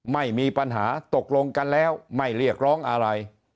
ไม่มีปัญหาตกลงกันแล้วไม่เรียกร้องอะไร